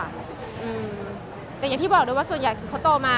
แต่อย่างที่บอกด้วยว่าส่วนใหญ่คือเขาโตมา